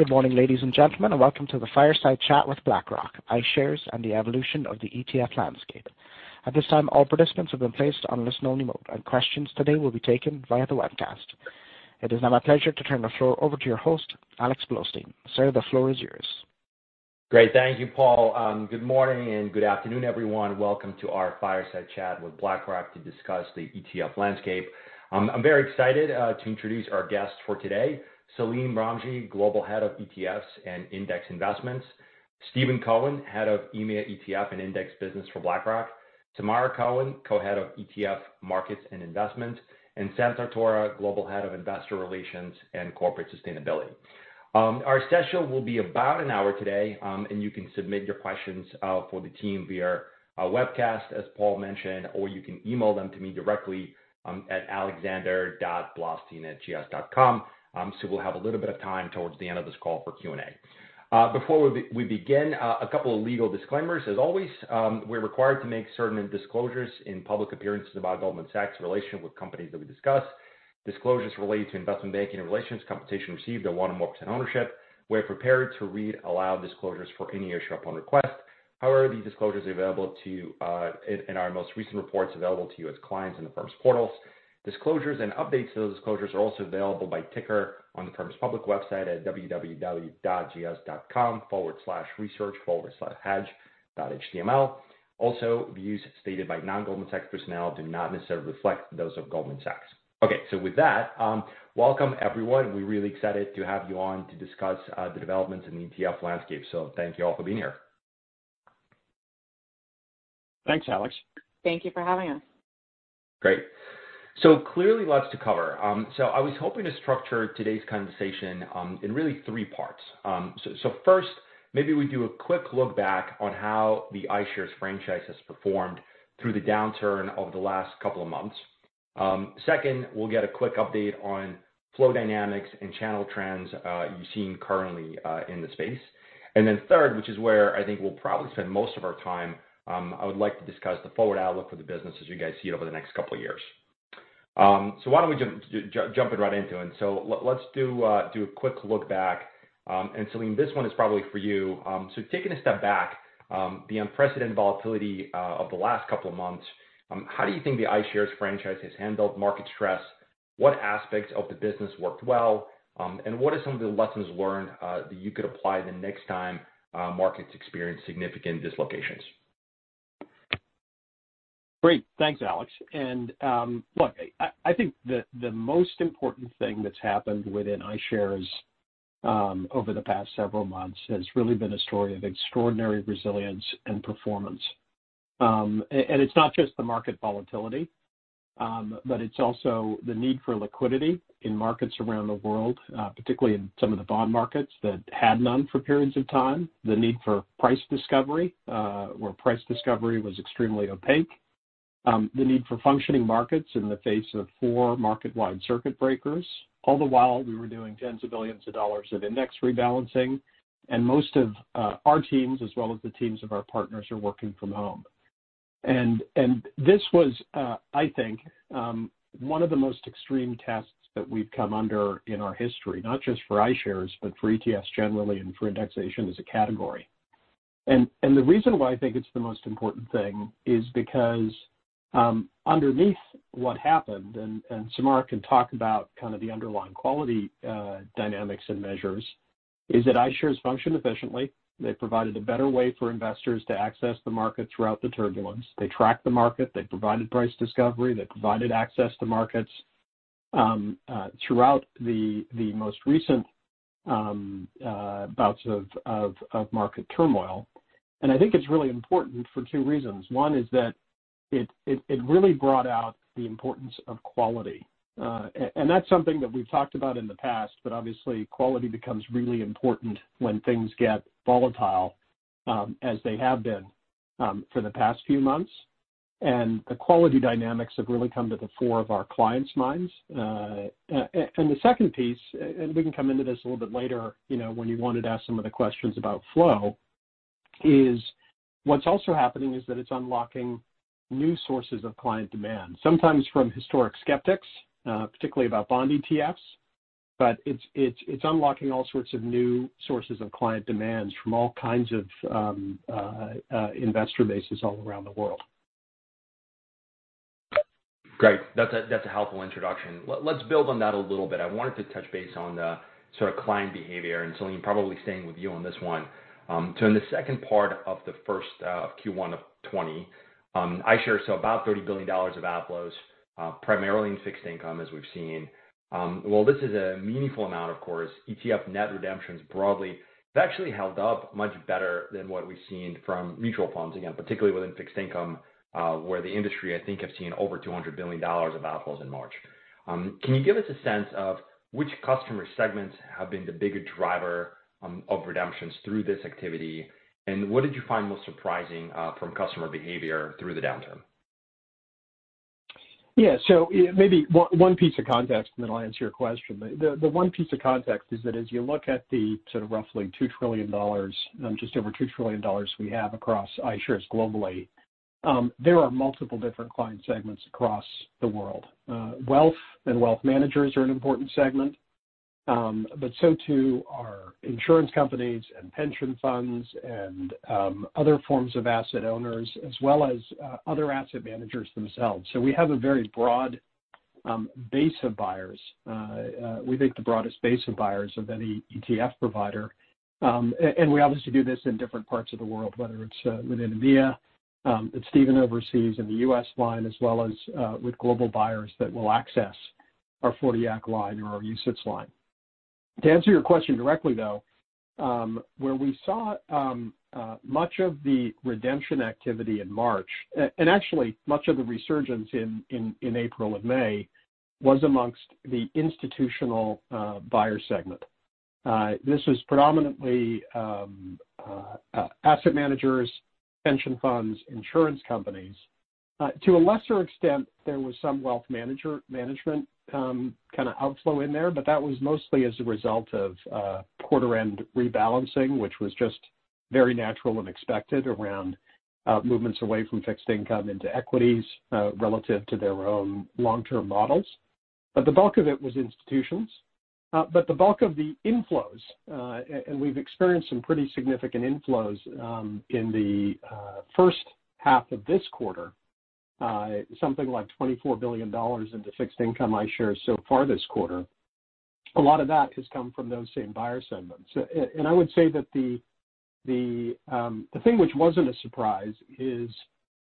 Good morning, ladies and gentlemen, welcome to the Fireside Chat with BlackRock, iShares and the Evolution of the ETF Landscape. At this time, all participants have been placed on listen only mode and questions today will be taken via the webcast. It is now my pleasure to turn the floor over to your host, Alex Blostein. Sir, the floor is yours. Great. Thank you, Paul. Good morning and good afternoon, everyone. Welcome to our Fireside Chat with BlackRock to discuss the ETF landscape. I'm very excited to introduce our guests for today, Salim Ramji, Global Head of ETFs and Index Investments, Stephen Cohen, Head of EMEA ETF and Index Business for BlackRock, Samara Cohen, Co-head of ETF Markets and Investments, and Samantha DeZur, Global Head of Investor Relations and Corporate Sustainability. Our session will be about an hour today, and you can submit your questions for the team via webcast, as Paul mentioned, or you can email them to me directly at alexander.blostein@gs.com. We'll have a little bit of time towards the end of this call for Q&A. Before we begin, a couple of legal disclaimers. As always, we're required to make certain disclosures in public appearances about Goldman Sachs' relationship with companies that we discuss. Disclosures relate to investment banking relations, compensation received, and 1% or more ownership. We are prepared to read aloud disclosures for any issue upon request. However, these disclosures are available to you in our most recent reports available to you as clients in the firm's portals. Disclosures and updates to those disclosures are available by ticker on the firm's public website at www.gs.com/research/hedge.html. Views stated by non Goldman Sachs personnel do not necessarily reflect those of Goldman Sachs. Okay. With that, welcome everyone. We're really excited to have you on to discuss the developments in the ETF landscape. Thank you all for being here. Thanks, Alex. Thank you for having us. Great. Clearly lots to cover. I was hoping to structure today's conversation in really three parts. First, maybe we do a quick look back on how the iShares franchise has performed through the downturn over the last couple of months. Second, we'll get a quick update on flow dynamics and channel trends you're seeing currently in the space. Third, which is where I think we'll probably spend most of our time, I would like to discuss the forward outlook for the business as you guys see it over the next couple of years. Why don't we jump right into it. Let's do a quick look back, and Salim, this one is probably for you. Taking a step back, the unprecedented volatility of the last couple of months, how do you think the iShares franchise has handled market stress? What aspects of the business worked well? What are some of the lessons learned that you could apply the next time markets experience significant dislocations? Great. Thanks, Alex. Look, I think the most important thing that's happened within iShares over the past several months has really been a story of extraordinary resilience and performance. It's not just the market volatility, but it's also the need for liquidity in markets around the world, particularly in some of the bond markets that had none for periods of time, the need for price discovery, where price discovery was extremely opaque, the need for functioning markets in the face of four market-wide circuit breakers. All the while, we were doing tens of billions of dollars of index rebalancing, and most of our teams, as well as the teams of our partners, are working from home. This was, I think, one of the most extreme tests that we've come under in our history, not just for iShares, but for ETFs generally and for indexation as a category. The reason why I think it's the most important thing is because underneath what happened, Samara can talk about kind of the underlying quality dynamics and measures, is that iShares functioned efficiently. They provided a better way for investors to access the market throughout the turbulence. They tracked the market. They provided price discovery. They provided access to markets throughout the most recent bouts of market turmoil. I think it's really important for two reasons. One is that it really brought out the importance of quality. That's something that we've talked about in the past, but obviously quality becomes really important when things get volatile, as they have been for the past few months. The quality dynamics have really come to the fore of our clients' minds. The second piece, and we can come into this a little bit later when you wanted to ask some of the questions about flow, is what's also happening is that it's unlocking new sources of client demand, sometimes from historic skeptics, particularly about bond ETFs, but it's unlocking all sorts of new sources of client demands from all kinds of investor bases all around the world. Great. That's a helpful introduction. Let's build on that a little bit. I wanted to touch base on the sort of client behavior, Salim, probably staying with you on this one. In the second part of Q1 of 2020, iShares saw about $30 billion of outflows, primarily in fixed income as we've seen. While this is a meaningful amount, of course, ETF net redemptions broadly have actually held up much better than what we've seen from mutual funds, again, particularly within fixed income, where the industry, I think, have seen over $200 billion of outflows in March. Can you give us a sense of which customer segments have been the bigger driver of redemptions through this activity, and what did you find most surprising from customer behavior through the downturn? Yeah. Maybe one piece of context, and then I'll answer your question. The one piece of context is that as you look at the sort of roughly $2 trillion, just over $2 trillion we have across iShares globally. There are multiple different client segments across the world. Wealth and wealth managers are an important segment, but so too are insurance companies and pension funds and other forms of asset owners as well as other asset managers themselves. We have a very broad base of buyers. We think the broadest base of buyers of any ETF provider. We obviously do this in different parts of the world, whether it's within EMEA, that Stephen oversees in the U.S. line, as well as with global buyers that will access our 40 Act line or our UCITS line. To answer your question directly, though, where we saw much of the redemption activity in March, and actually much of the resurgence in April and May was amongst the institutional buyer segment. This was predominantly asset managers, pension funds, insurance companies. To a lesser extent, there was some wealth management kind of outflow in there, but that was mostly as a result of quarter-end rebalancing, which was just very natural and expected around movements away from fixed income into equities relative to their own long-term models. The bulk of it was institutions. The bulk of the inflows, and we've experienced some pretty significant inflows in the first half of this quarter, something like $24 billion into fixed income iShares so far this quarter, a lot of that has come from those same buyer segments. I would say that the thing which wasn't a surprise is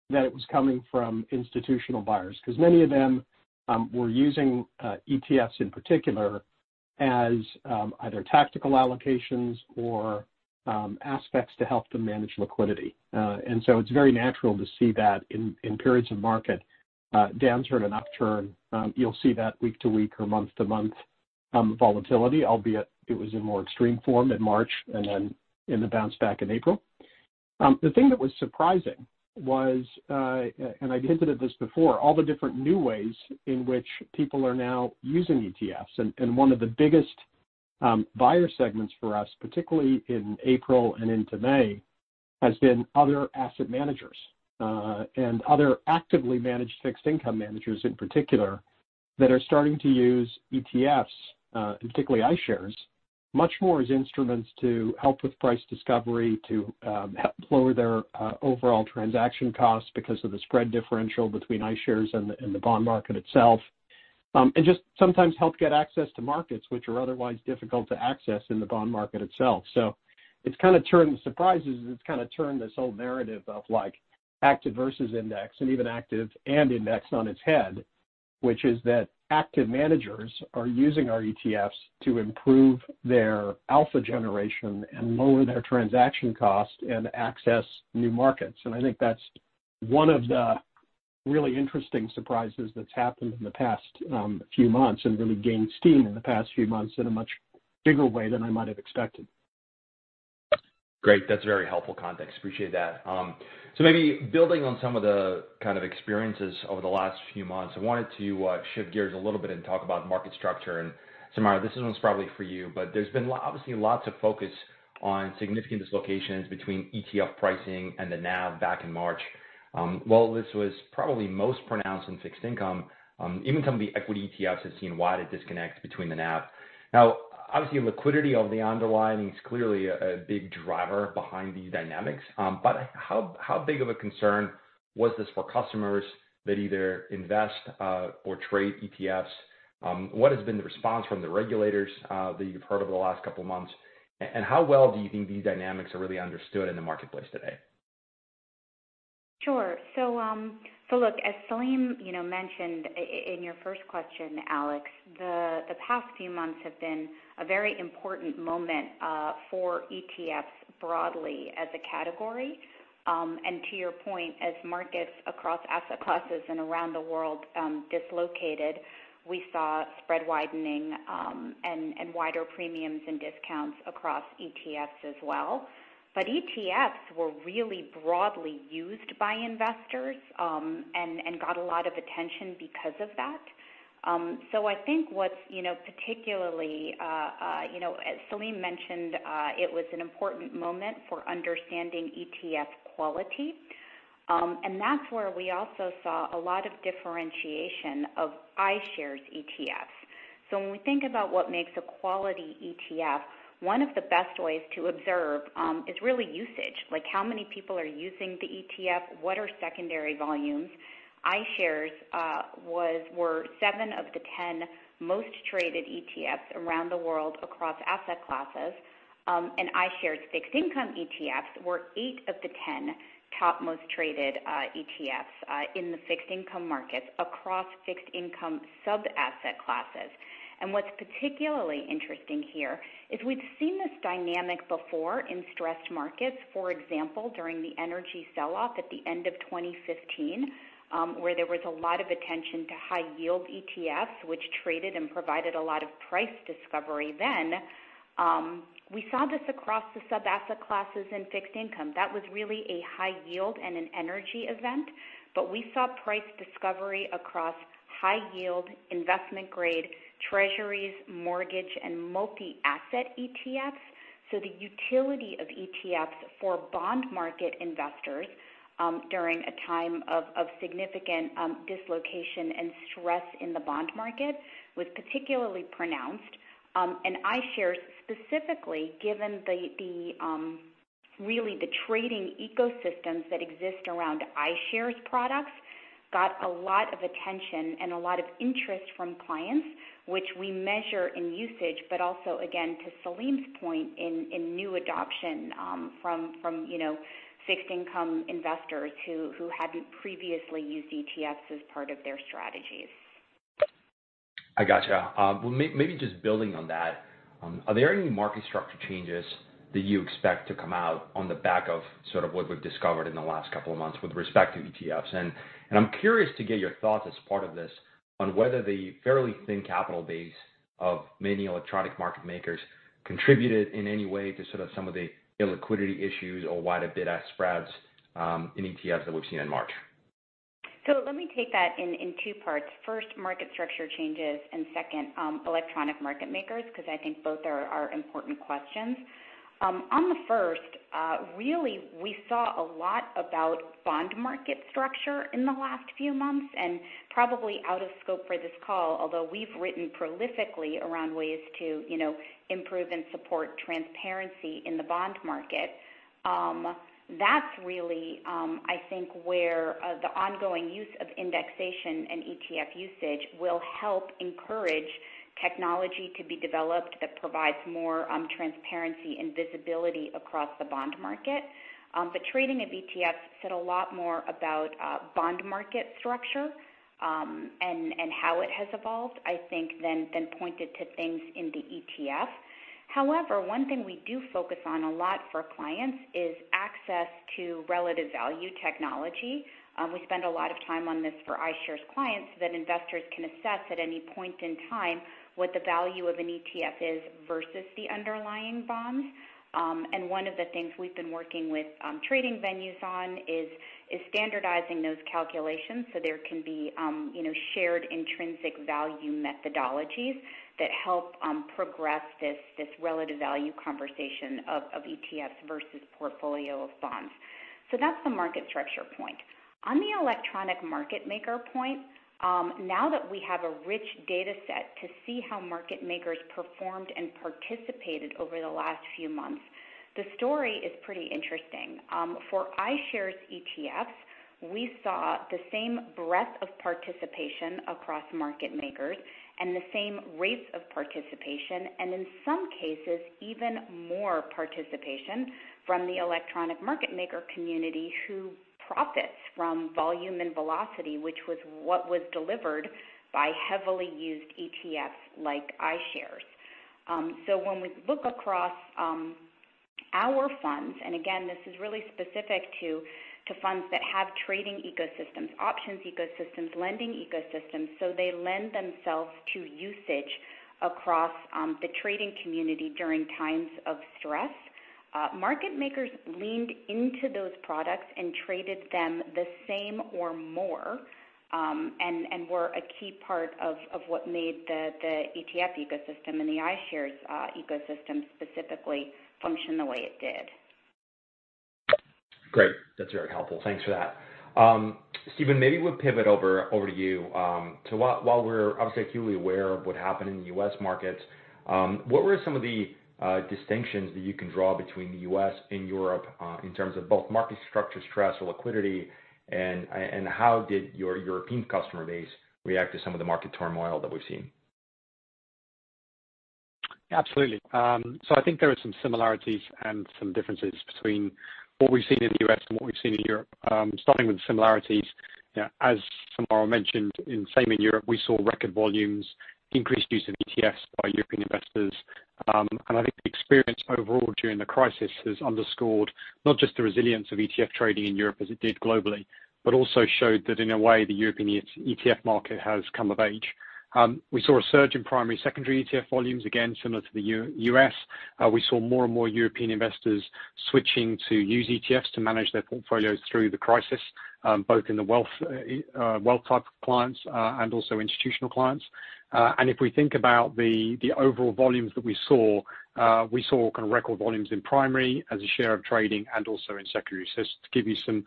that it was coming from institutional buyers, because many of them were using ETFs in particular as either tactical allocations or aspects to help them manage liquidity. It's very natural to see that in periods of market downturn and upturn. You'll see that week to week or month to month volatility, albeit it was in more extreme form in March and then in the bounce back in April. The thing that was surprising was, and I'd hinted at this before, all the different new ways in which people are now using ETFs. One of the biggest buyer segments for us, particularly in April and into May, has been other asset managers, and other actively managed fixed income managers in particular, that are starting to use ETFs, and particularly iShares, much more as instruments to help with price discovery, to help lower their overall transaction costs because of the spread differential between iShares and the bond market itself. Just sometimes help get access to markets which are otherwise difficult to access in the bond market itself. It's kind of turned surprises, and it's kind of turned this whole narrative of active versus index, and even active and index on its head, which is that active managers are using our ETFs to improve their alpha generation and lower their transaction cost and access new markets. I think that's one of the really interesting surprises that's happened in the past few months and really gained steam in the past few months in a much bigger way than I might have expected. Great. That's very helpful context. Appreciate that. Maybe building on some of the kind of experiences over the last few months, I wanted to shift gears a little bit and talk about market structure. Samara, this one's probably for you, but there's been obviously lots of focus on significant dislocations between ETF pricing and the NAV back in March. While this was probably most pronounced in fixed income, even some of the equity ETFs have seen wider disconnect between the NAV. Obviously, liquidity of the underlying is clearly a big driver behind these dynamics. How big of a concern was this for customers that either invest or trade ETFs? What has been the response from the regulators that you've heard over the last couple of months? How well do you think these dynamics are really understood in the marketplace today? Sure. Look, as Salim mentioned in your first question, Alex, the past few months have been a very important moment for ETFs broadly as a category. To your point, as markets across asset classes and around the world dislocated, we saw spread widening and wider premiums and discounts across ETFs as well. ETFs were really broadly used by investors, and got a lot of attention because of that. I think what's particularly, as Salim mentioned, it was an important moment for understanding ETF quality. That's where we also saw a lot of differentiation of iShares ETFs. When we think about what makes a quality ETF, one of the best ways to observe is really usage. Like how many people are using the ETF, what are secondary volumes? iShares were seven of the 10 most traded ETFs around the world across asset classes. iShares fixed income ETFs were eight of the 10 top most traded ETFs in the fixed income markets across fixed income sub-asset classes. What's particularly interesting here is we've seen this dynamic before in stressed markets, for example, during the energy sell-off at the end of 2015, where there was a lot of attention to high yield ETFs, which traded and provided a lot of price discovery then. We saw this across the sub-asset classes in fixed income. That was really a high yield and an energy event. We saw price discovery across high-yield investment grade treasuries, mortgage, and multi-asset ETFs. The utility of ETFs for bond market investors, during a time of significant dislocation and stress in the bond market was particularly pronounced. iShares specifically, given really the trading ecosystems that exist around iShares products, got a lot of attention and a lot of interest from clients, which we measure in usage, but also, again, to Salim's point, in new adoption from fixed income investors who hadn't previously used ETFs as part of their strategies. I gotcha. Well, maybe just building on that, are there any market structure changes that you expect to come out on the back of what we've discovered in the last couple of months with respect to ETFs? I'm curious to get your thoughts as part of this on whether the fairly thin capital base of many electronic market makers contributed in any way to some of the illiquidity issues or wider bid-ask spreads in ETFs that we've seen in March. Let me take that in two parts. First, market structure changes, and second, electronic market makers, because I think both are important questions. On the first, really, we saw a lot about bond market structure in the last few months and probably out of scope for this call, although we've written prolifically around ways to improve and support transparency in the bond market. That's really, I think, where the ongoing use of indexation and ETF usage will help encourage technology to be developed that provides more transparency and visibility across the bond market. Trading of ETFs said a lot more about bond market structure, and how it has evolved, I think, than pointed to things in the ETF. However, one thing we do focus on a lot for clients is access to relative value technology. We spend a lot of time on this for iShares clients so that investors can assess at any point in time what the value of an ETF is versus the underlying bonds. One of the things we've been working with trading venues on is standardizing those calculations so there can be shared intrinsic value methodologies that help progress this relative value conversation of ETFs versus portfolio of bonds. That's the market structure point. On the electronic market maker point, now that we have a rich data set to see how market makers performed and participated over the last few months, the story is pretty interesting. For iShares ETFs, we saw the same breadth of participation across market makers and the same rates of participation, and in some cases even more participation from the electronic market maker community who profits from volume and velocity, which was what was delivered by heavily used ETFs like iShares. When we look across our funds, and again, this is really specific to funds that have trading ecosystems, options ecosystems, lending ecosystems, so they lend themselves to usage across the trading community during times of stress. Market makers leaned into those products and traded them the same or more, and were a key part of what made the ETF ecosystem and the iShares ecosystem specifically function the way it did. Great. That's very helpful. Thanks for that. Stephen, maybe we'll pivot over to you. While we're obviously acutely aware of what happened in the U.S. markets, what were some of the distinctions that you can draw between the U.S. and Europe, in terms of both market structure, stress, or liquidity, and how did your European customer base react to some of the market turmoil that we've seen? Absolutely. I think there are some similarities and some differences between what we've seen in the U.S. and what we've seen in Europe. Starting with the similarities, as Samara mentioned, same in Europe, we saw record volumes, increased use of ETFs by European investors. I think the experience overall during the crisis has underscored not just the resilience of ETF trading in Europe as it did globally, but also showed that in a way the European ETF market has come of age. We saw a surge in primary secondary ETF volumes, again, similar to the U.S. We saw more and more European investors switching to use ETFs to manage their portfolios through the crisis, both in the wealth type of clients, and also institutional clients. If we think about the overall volumes that we saw, we saw record volumes in primary as a share of trading and also in secondary. Just to give you some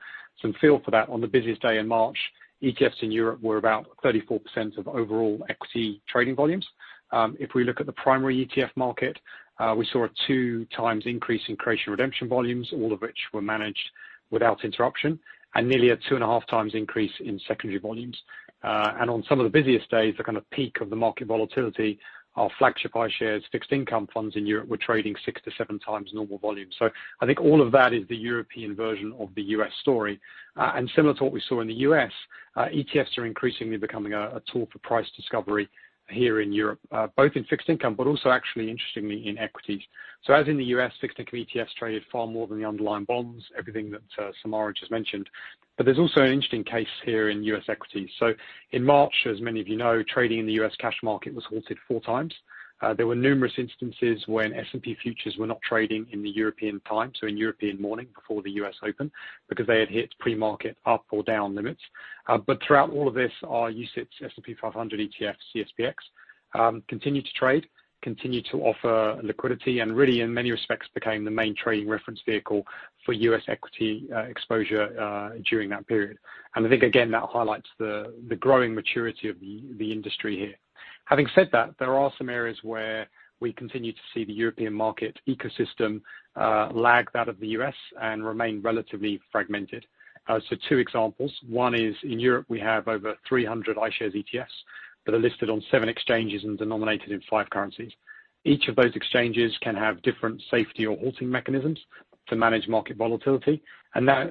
feel for that, on the busiest day in March, ETFs in Europe were about 34% of overall equity trading volumes. If we look at the primary ETF market, we saw a two times increase in creation redemption volumes, all of which were managed without interruption, and nearly a two and a half times increase in secondary volumes. On some of the busiest days, the kind of peak of the market volatility, our flagship iShares fixed income funds in Europe were trading six to seven times normal volume. I think all of that is the European version of the U.S. story. Similar to what we saw in the U.S., ETFs are increasingly becoming a tool for price discovery here in Europe, both in fixed income, but also actually interestingly in equities. As in the U.S., fixed income ETFs traded far more than the underlying bonds, everything that Samara just mentioned. There's also an interesting case here in U.S. equities. In March, as many of you know, trading in the U.S. cash market was halted four times. There were numerous instances when S&P futures were not trading in the European time, so in European morning before the U.S. opened, because they had hit pre-market up or down limits. Throughout all of this, our UCITS S&P 500 ETF, CSPX, continued to trade, continued to offer liquidity, and really, in many respects, became the main trading reference vehicle for U.S. equity exposure during that period. I think, again, that highlights the growing maturity of the industry here. Having said that, there are some areas where we continue to see the European market ecosystem lag that of the U.S. and remain relatively fragmented. Two examples. One is, in Europe, we have over 300 iShares ETFs that are listed on seven exchanges and denominated in five currencies. Each of those exchanges can have different safety or halting mechanisms to manage market volatility.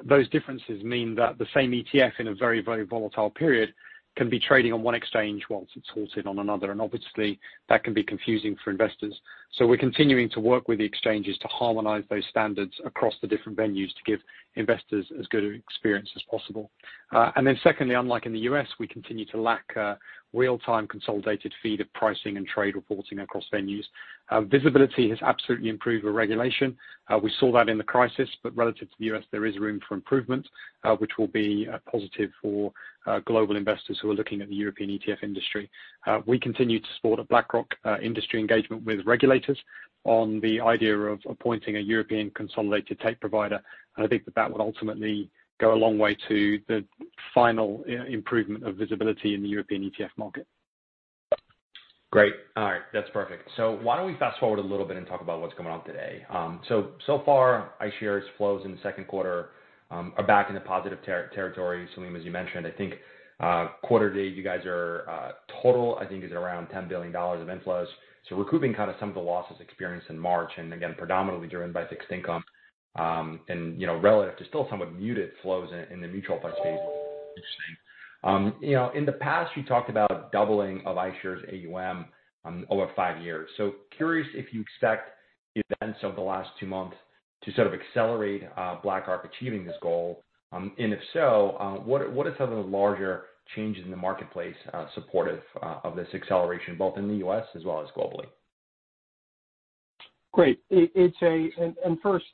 Those differences mean that the same ETF in a very, very volatile period can be trading on one exchange whilst it's halted on another, and obviously that can be confusing for investors. We're continuing to work with the exchanges to harmonize those standards across the different venues to give investors as good an experience as possible. Secondly, unlike in the U.S., we continue to lack a real-time consolidated tape of pricing and trade reporting across venues. Visibility has absolutely improved with regulation. We saw that in the crisis. Relative to the U.S., there is room for improvement, which will be a positive for global investors who are looking at the European ETF industry. We continue to support a BlackRock industry engagement with regulators on the idea of appointing a European consolidated tape provider. I think that that would ultimately go a long way to the final improvement of visibility in the European ETF market. Great. All right. That's perfect. Why don't we fast-forward a little bit and talk about what's going on today. So far, iShares flows in the second quarter are back in the positive territory, Salim, as you mentioned. I think quarter date, you guys are total, I think is around $10 billion of inflows. Recouping kind of some of the losses experienced in March, and again, predominantly driven by fixed income, and relative to still somewhat muted flows in the mutual fund space recently. In the past, you talked about doubling of iShares AUM over five years. Curious if you expect the events of the last two months to sort of accelerate BlackRock achieving this goal, and if so, what are some of the larger changes in the marketplace supportive of this acceleration, both in the U.S. as well as globally? Great. First,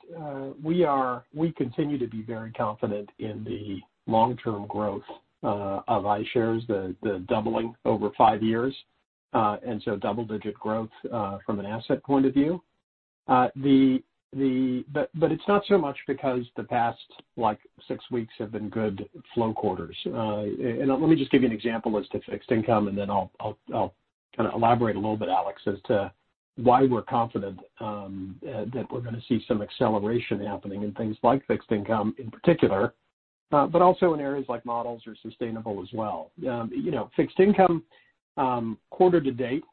we continue to be very confident in the long-term growth of iShares, the doubling over five years. Double-digit growth from an asset point of view. It's not so much because the past six weeks have been good flow quarters. Let me just give you an example as to fixed income, and then I'll kind of elaborate a little bit, Alex, as to why we're confident that we're going to see some acceleration happening in things like fixed income in particular, but also in areas like models or sustainable as well. Fixed income, quarter to date,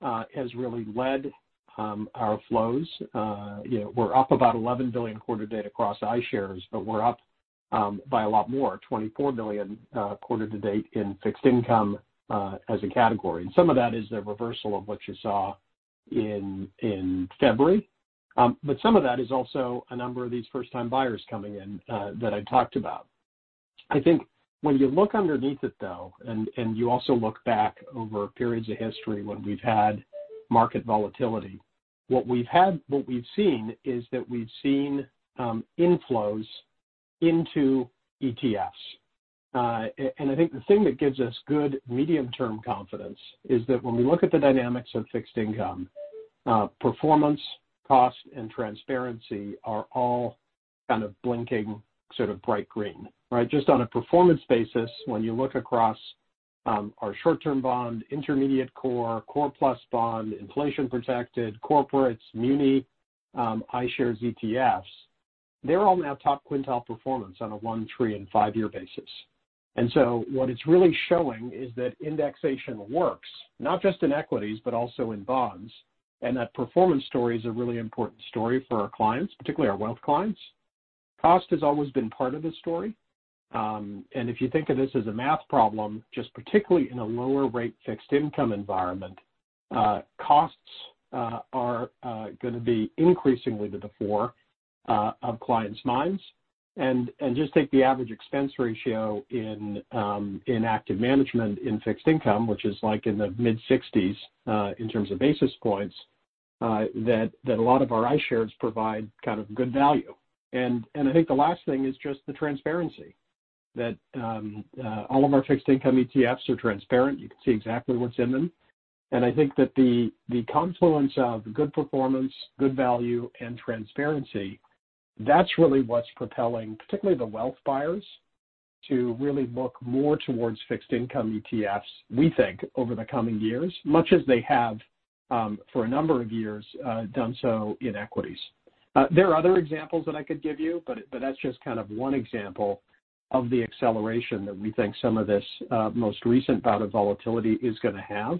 has really led our flows. We're up about $11 billion quarter date across iShares, but we're up by a lot more, $24 billion quarter to date in fixed income as a category. Some of that is the reversal of what you saw in February. Some of that is also a number of these first-time buyers coming in that I talked about. I think when you look underneath it, though, and you also look back over periods of history when we've had market volatility, what we've seen is that we've seen inflows into ETFs. I think the thing that gives us good medium-term confidence is that when we look at the dynamics of fixed income, performance, cost, and transparency are all kind of blinking sort of bright green. Right? Just on a performance basis, when you look across our short-term bond, intermediate core plus bond, inflation protected, corporates, muni, iShares ETFs, they're all now top quintile performance on a one, three, and five-year basis. What it's really showing is that indexation works not just in equities, but also in bonds, and that performance story is a really important story for our clients, particularly our wealth clients. Cost has always been part of the story. If you think of this as a math problem, just particularly in a lower rate fixed income environment, costs are going to be increasingly to the fore of clients' minds. Just take the average expense ratio in active management in fixed income, which is like in the mid-60s, in terms of basis points, that a lot of our iShares provide kind of good value. I think the last thing is just the transparency. That all of our fixed income ETFs are transparent. You can see exactly what's in them. I think that the confluence of good performance, good value, and transparency, that's really what's propelling, particularly the wealth buyers, to really look more towards fixed income ETFs, we think, over the coming years, much as they have, for a number of years, done so in equities. There are other examples that I could give you, but that's just kind of one example of the acceleration that we think some of this most recent bout of volatility is going to have,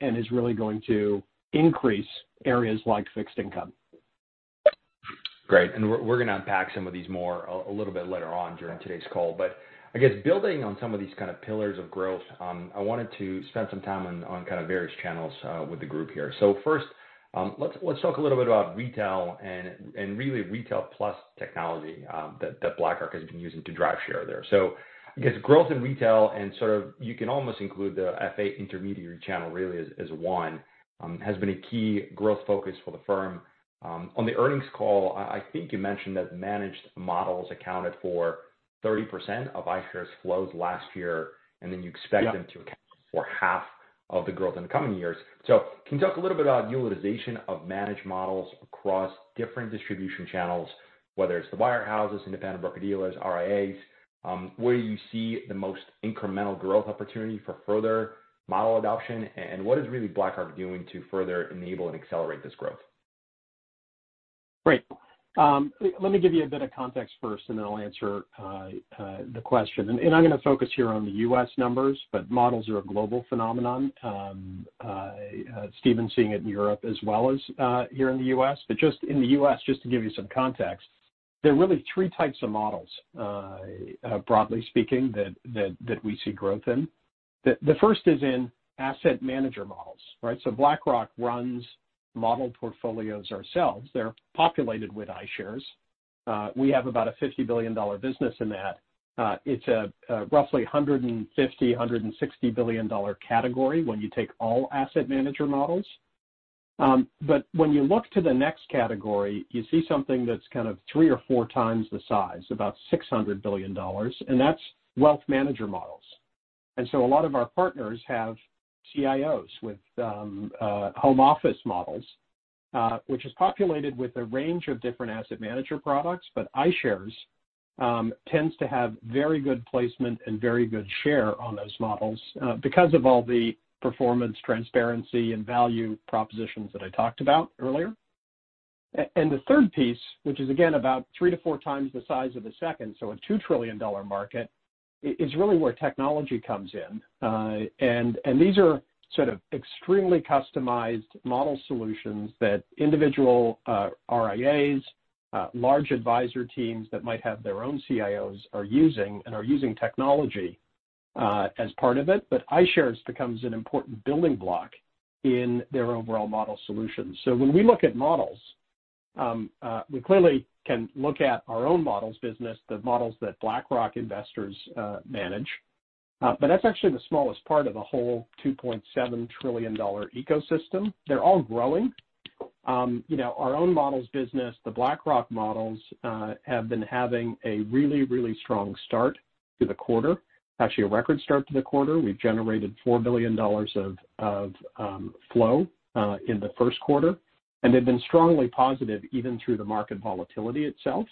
and is really going to increase areas like fixed income. Great. We're going to unpack some of these more a little bit later on during today's call. I guess building on some of these kind of pillars of growth, I wanted to spend some time on kind of various channels with the group here. First, let's talk a little bit about retail and really retail plus technology that BlackRock has been using to drive share there. I guess growth in retail and sort of, you can almost include the FA intermediary channel really as one, has been a key growth focus for the firm. On the earnings call, I think you mentioned that managed models accounted for 30% of iShares flows last year, and then you expect them to Or half of the growth in the coming years. Can you talk a little bit about utilization of managed models across different distribution channels, whether it's the wirehouses, independent broker-dealers, RIAs? Where do you see the most incremental growth opportunity for further model adoption, and what is really BlackRock doing to further enable and accelerate this growth? Great. Let me give you a bit of context first, and then I'll answer the question. I'm going to focus here on the U.S. numbers. Models are a global phenomenon. Stephen's seeing it in Europe as well as here in the U.S. Just in the U.S., just to give you some context, there are really 3 types of models, broadly speaking, that we see growth in. The first is in asset manager models, right? BlackRock runs model portfolios ourselves. They're populated with iShares. We have about a $50 billion business in that. It's a roughly $150 billion-$160 billion category when you take all asset manager models. When you look to the next category, you see something that's kind of three or four times the size, about $600 billion, and that's wealth manager models. A lot of our partners have CIOs with home office models, which is populated with a range of different asset manager products, but iShares tends to have very good placement and very good share on those models because of all the performance, transparency, and value propositions that I talked about earlier. The third piece, which is again about 3 to 4 times the size of the second, so a $2 trillion market, is really where technology comes in. These are sort of extremely customized model solutions that individual RIAs, large advisor teams that might have their own CIOs are using, and are using technology as part of it. iShares becomes an important building block in their overall model solutions. When we look at models, we clearly can look at our own models business, the models that BlackRock investors manage. That's actually the smallest part of the whole $2.7 trillion ecosystem. They're all growing. Our own models business, the BlackRock models, have been having a really strong start to the quarter. Actually, a record start to the quarter. We've generated $4 billion of flow in the first quarter, and they've been strongly positive even through the market volatility itself.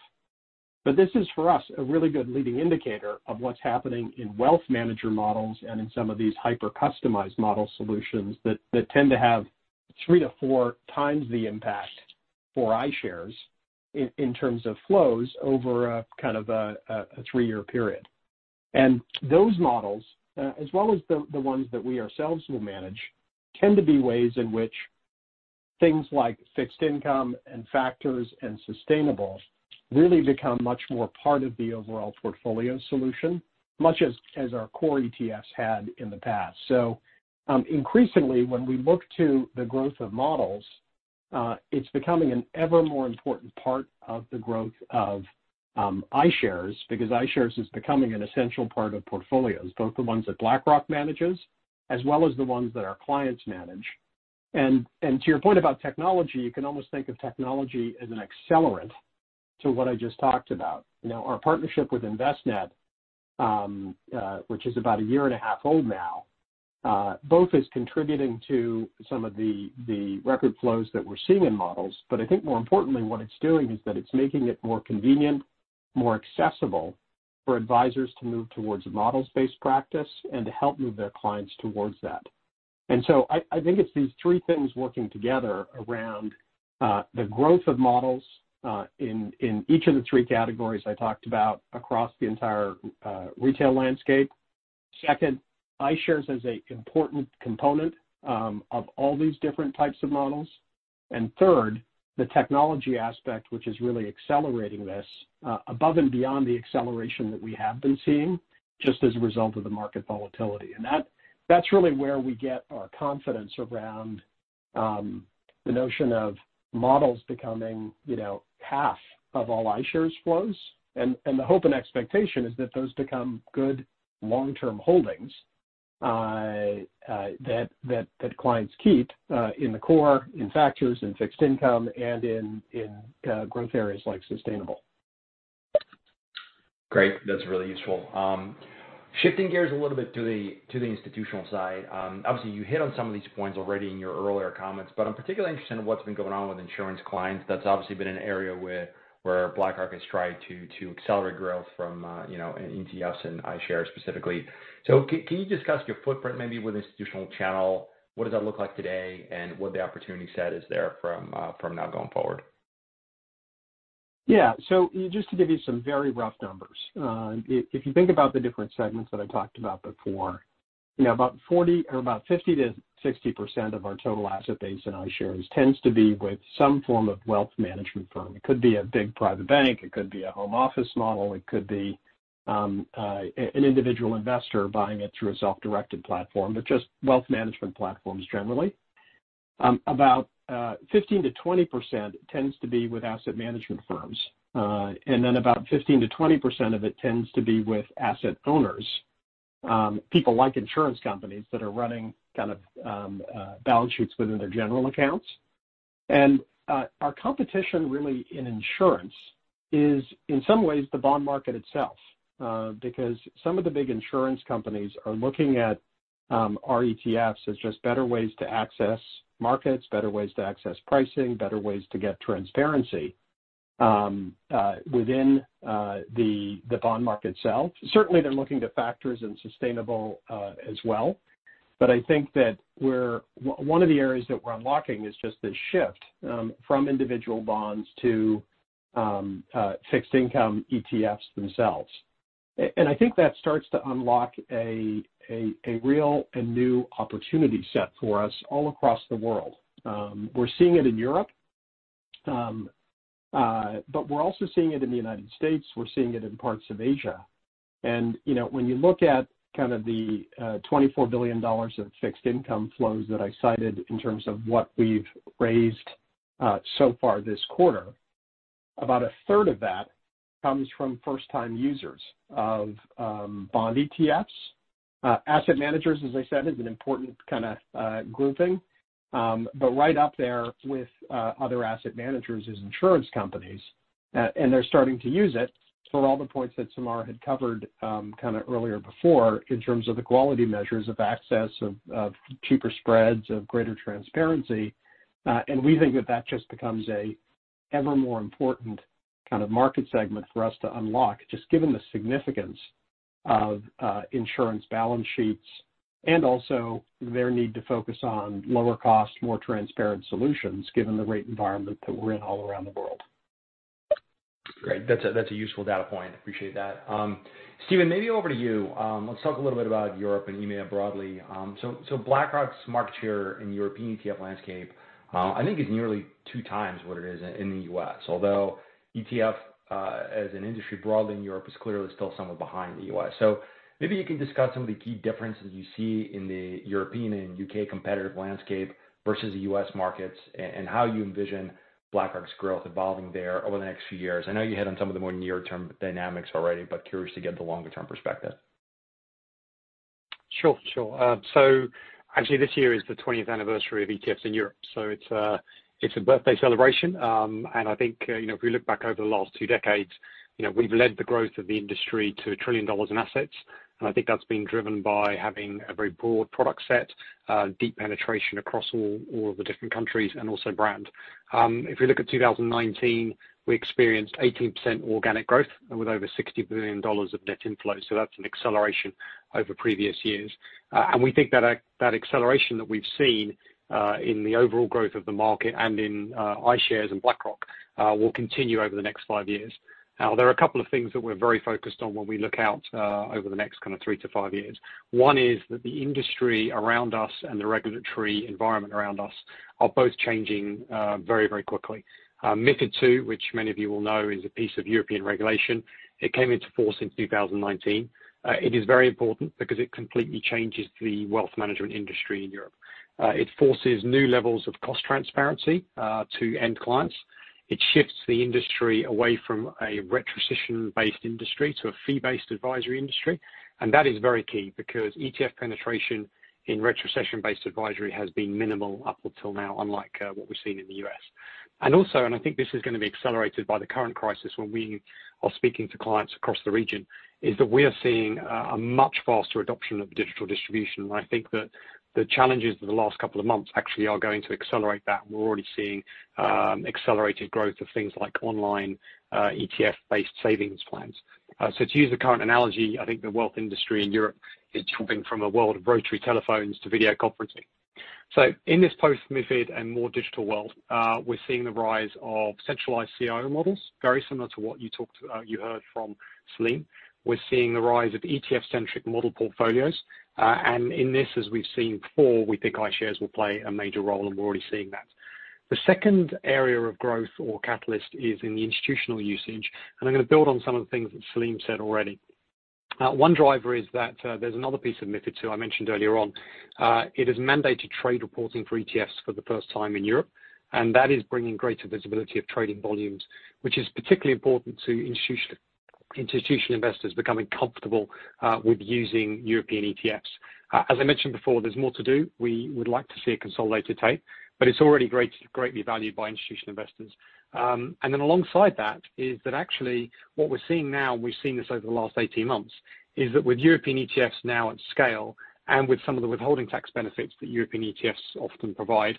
This is, for us, a really good leading indicator of what's happening in wealth manager models and in some of these hyper-customized model solutions that tend to have three to four times the impact for iShares in terms of flows over a three-year period. Those models, as well as the ones that we ourselves will manage, tend to be ways in which things like fixed income and factors and sustainable really become much more part of the overall portfolio solution, much as our core ETFs had in the past. Increasingly, when we look to the growth of models, it's becoming an ever more important part of the growth of iShares, because iShares is becoming an essential part of portfolios, both the ones that BlackRock manages, as well as the ones that our clients manage. To your point about technology, you can almost think of technology as an accelerant to what I just talked about. Our partnership with Envestnet, which is about a year and a half old now, both is contributing to some of the record flows that we're seeing in models. I think more importantly, what it's doing is that it's making it more convenient, more accessible for advisors to move towards a models-based practice and to help move their clients towards that. I think it's these three things working together around the growth of models, in each of the three categories I talked about across the entire retail landscape. Second, iShares is an important component of all these different types of models. Third, the technology aspect, which is really accelerating this above and beyond the acceleration that we have been seeing just as a result of the market volatility. That's really where we get our confidence around the notion of models becoming half of all iShares flows. The hope and expectation is that those become good long-term holdings that clients keep in the core, in factors, in fixed income, and in growth areas like sustainable. Great. That's really useful. Shifting gears a little bit to the institutional side. Obviously, you hit on some of these points already in your earlier comments, but I'm particularly interested in what's been going on with insurance clients. That's obviously been an area where BlackRock has tried to accelerate growth from an ETFs and iShares specifically. Can you discuss your footprint, maybe with institutional channel? What does that look like today, and what the opportunity set is there from now going forward? Yeah. Just to give you some very rough numbers. If you think about the different segments that I talked about before, about 40 or about 50%-60% of our total asset base in iShares tends to be with some form of wealth management firm. It could be a big private bank, it could be a home office model, it could be an individual investor buying it through a self-directed platform, but just wealth management platforms generally. About 15%-20% tends to be with asset management firms. Then about 15%-20% of it tends to be with asset owners. People like insurance companies that are running kind of balance sheets within their general accounts. Our competition really in insurance is in some ways the bond market itself, because some of the big insurance companies are looking at our ETFs as just better ways to access markets, better ways to access pricing, better ways to get transparency within the bond market itself. Certainly, they're looking to factors and sustainable as well. I think that one of the areas that we're unlocking is just this shift from individual bonds to fixed income ETFs themselves. I think that starts to unlock a real and new opportunity set for us all across the world. We're seeing it in Europe, but we're also seeing it in the U.S. We're seeing it in parts of Asia. When you look at kind of the $24 billion of fixed income flows that I cited in terms of what we've raised so far this quarter, about a third of that comes from first-time users of bond ETFs. Asset managers, as I said, is an important kind of grouping. Right up there with other asset managers is insurance companies, and they're starting to use it for all the points that Samara had covered kind of earlier before in terms of the quality measures of access, of cheaper spreads, of greater transparency. We think that that just becomes a ever more important kind of market segment for us to unlock, just given the significance of insurance balance sheets and also their need to focus on lower cost, more transparent solutions, given the rate environment that we're in all around the world. Great. That's a useful data point. Appreciate that. Stephen, maybe over to you. Let's talk a little bit about Europe and EMEA broadly. BlackRock's market share in European ETF landscape, I think, is nearly 2 times what it is in the U.S., although ETF as an industry broadly in Europe is clearly still somewhat behind the U.S. Maybe you can discuss some of the key differences you see in the European and U.K. competitive landscape versus the U.S. markets and how you envision BlackRock's growth evolving there over the next few years. I know you hit on some of the more near-term dynamics already, curious to get the longer-term perspective. Sure. Actually this year is the 20th anniversary of ETFs in Europe, so it's a birthday celebration. I think if we look back over the last two decades, we've led the growth of the industry to $1 trillion in assets, I think that's been driven by having a very broad product set, deep penetration across all of the different countries and also brand. If we look at 2019, we experienced 18% organic growth with over $60 billion of net inflows. That's an acceleration over previous years. We think that acceleration that we've seen in the overall growth of the market and in iShares and BlackRock will continue over the next five years. There are a couple of things that we're very focused on when we look out over the next kind of three to five years. One is that the industry around us and the regulatory environment around us are both changing very quickly. MiFID II, which many of you will know is a piece of European regulation. It came into force in 2019. It is very important because it completely changes the wealth management industry in Europe. It forces new levels of cost transparency to end clients. It shifts the industry away from a retrocession-based industry to a fee-based advisory industry. That is very key because ETF penetration in retrocession-based advisory has been minimal up until now, unlike what we've seen in the U.S. I think this is going to be accelerated by the current crisis when we are speaking to clients across the region, is that we are seeing a much faster adoption of digital distribution. I think that the challenges of the last couple of months actually are going to accelerate that, and we're already seeing accelerated growth of things like online ETF-based savings plans. To use the current analogy, I think the wealth industry in Europe is jumping from a world of rotary telephones to video conferencing. In this post-MiFID II and more digital world, we're seeing the rise of centralized CIO models, very similar to what you heard from Salim. We're seeing the rise of ETF-centric model portfolios. In this, as we've seen before, we think iShares will play a major role, and we're already seeing that. The second area of growth or catalyst is in the institutional usage, and I'm going to build on some of the things that Salim said already. One driver is that there's another piece of MiFID II I mentioned earlier on. It has mandated trade reporting for ETFs for the first time in Europe, and that is bringing greater visibility of trading volumes, which is particularly important to institutional investors becoming comfortable with using European ETFs. As I mentioned before, there's more to do. We would like to see a consolidated tape, but it's already greatly valued by institutional investors. Alongside that is that actually what we're seeing now, and we've seen this over the last 18 months, is that with European ETFs now at scale and with some of the withholding tax benefits that European ETFs often provide,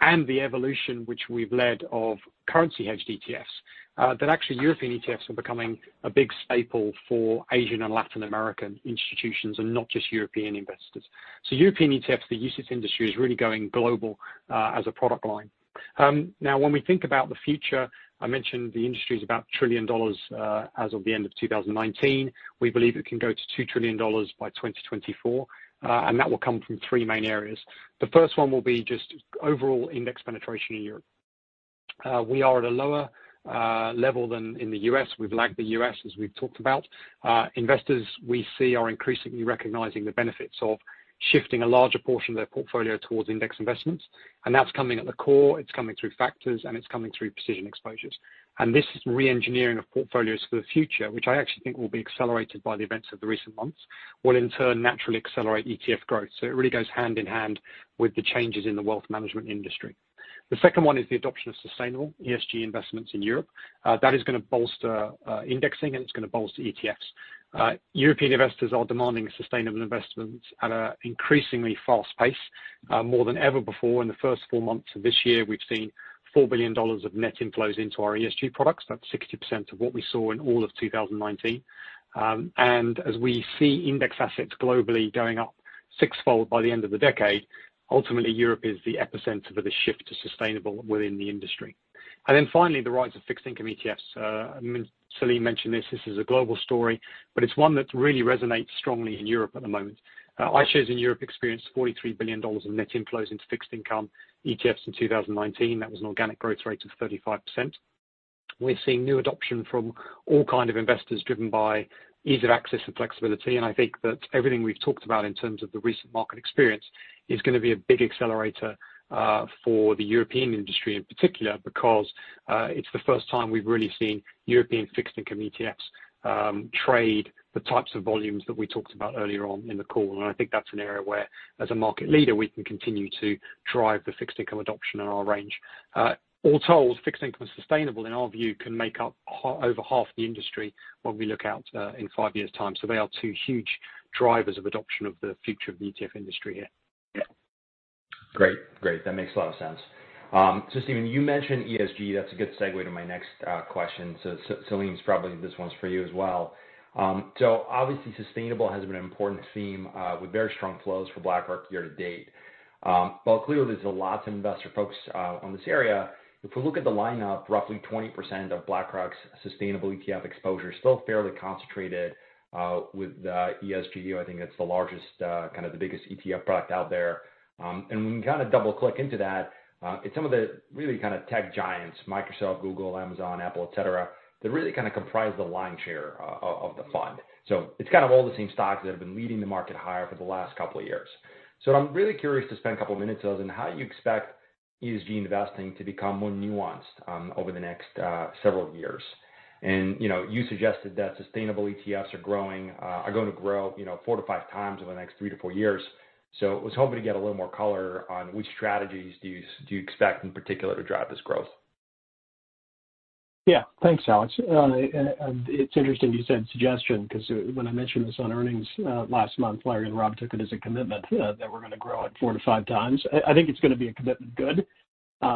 and the evolution which we've led of currency hedged ETFs, that actually European ETFs are becoming a big staple for Asian and Latin American institutions and not just European investors. European ETFs, the UCITS industry is really going global as a product line. Now when we think about the future, I mentioned the industry is about $1 trillion as of the end of 2019. We believe it can go to $2 trillion by 2024, and that will come from three main areas. The first one will be just overall index penetration in Europe. We are at a lower level than in the U.S. We've lagged the U.S., as we've talked about. Investors we see are increasingly recognizing the benefits of shifting a larger portion of their portfolio towards index investments, and that's coming at the core, it's coming through factors, and it's coming through precision exposures. This re-engineering of portfolios for the future, which I actually think will be accelerated by the events of the recent months, will in turn naturally accelerate ETF growth. It really goes hand in hand with the changes in the wealth management industry. The second one is the adoption of sustainable ESGU investments in Europe. That is going to bolster indexing, and it's going to bolster ETFs. European investors are demanding sustainable investments at an increasingly fast pace, more than ever before. In the first four months of this year, we've seen $4 billion of net inflows into our ESGU products. That's 60% of what we saw in all of 2019. As we see index assets globally going up sixfold by the end of the decade, ultimately Europe is the epicenter for the shift to sustainable within the industry. Finally, the rise of fixed income ETFs. Salim mentioned this. This is a global story, but it's one that really resonates strongly in Europe at the moment. iShares in Europe experienced $43 billion of net inflows into fixed income ETFs in 2019. That was an organic growth rate of 35%. We're seeing new adoption from all kind of investors driven by ease of access and flexibility. I think that everything we've talked about in terms of the recent market experience is going to be a big accelerator for the European industry in particular, because it's the first time we've really seen European fixed income ETFs trade the types of volumes that we talked about earlier on in the call. I think that's an area where, as a market leader, we can continue to drive the fixed income adoption in our range. All told, fixed income sustainable, in our view, can make up over half the industry when we look out in five years' time. They are two huge drivers of adoption of the future of the ETF industry here. Great. That makes a lot of sense. Stephen, you mentioned ESGU, that's a good segue to my next question. Salim, probably this one's for you as well. Obviously sustainable has been an important theme with very strong flows for BlackRock year to date. While clearly there's a lot of investor focus on this area, if we look at the lineup, roughly 20% of BlackRock's sustainable ETF exposure is still fairly concentrated with ESGU. I think that's the largest, kind of the biggest ETF product out there. When we kind of double-click into that, it's some of the really kind of tech giants, Microsoft, Google, Amazon, Apple, et cetera, that really kind of comprise the lion's share of the fund. It's kind of all the same stocks that have been leading the market higher for the last couple of years. I'm really curious to spend a couple of minutes on how you expect ESGU investing to become more nuanced over the next several years. You suggested that sustainable ETFs are going to grow four to five times over the next three to four years. I was hoping to get a little more color on which strategies do you expect in particular to drive this growth? Thanks, Alex. It's interesting you said suggestion, because when I mentioned this on earnings last month, Larry and Rob took it as a commitment that we're going to grow it four to five times. I think it's going to be a commitment, good.